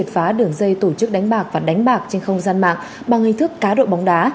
phá đường dây tổ chức đánh bạc và đánh bạc trên không gian mạng bằng hình thức cá độ bóng đá